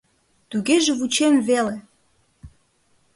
— Тугеже вучем веле!